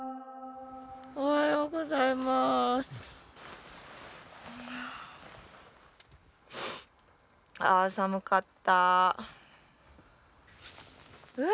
おはようございますああ寒かったうわ